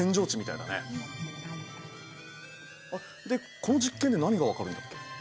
でこの実験で何が分かるんだっけ？